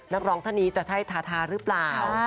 นักร้องท่านนี้จะใช่ทาทาหรือเปล่า